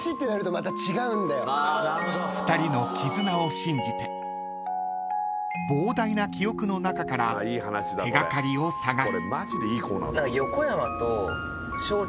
［２人の絆を信じて膨大な記憶の中から手掛かりを探す］